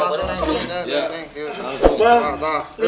masukin aja deh